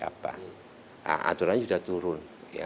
apa aturannya sudah turun